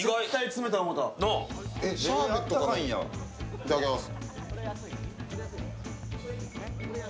いただきます。